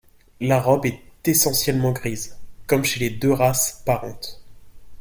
La robe est essentiellement grise, comme chez les deux races parentes.